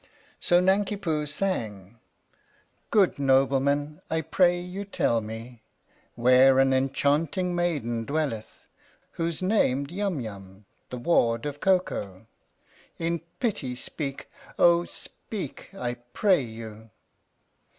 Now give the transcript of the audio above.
So Nanki Poo sang: Good nobleman, I pray you tell me Where an enchanting maiden dwelleth Who's named Yum Yum, the ward of Koko? In pity speak Oh, speak, I pray you